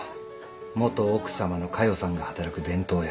元奥さまの佳代さんが働く弁当屋。